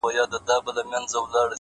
خير دی- زه داسي یم- چي داسي نه وم-